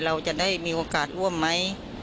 เราจะได้มีโอกาสร่วมไหม